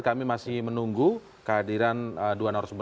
kami masih menunggu kehadiran duan harus berlaku